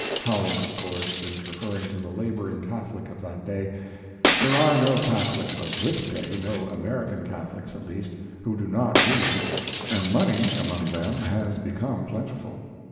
Howells, of course, is referring to the laboring Catholic of that day. There are no Catholics of this day no American Catholics, at least who do not read, and money among them has become plentiful.